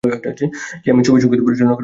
কে আমি ছবির সংগীত পরিচালনা করেন ইমন সাহা।